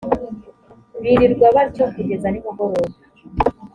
birirwa batyo kugeza nimugoroba.